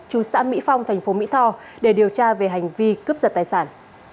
chú xã mỹ phong thành phố mỹ tho để điều tra về hành vi cướp giật tài sản